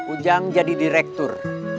ujang jadi direktur